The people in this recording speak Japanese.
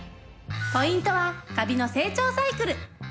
ポイントはカビの成長サイクル。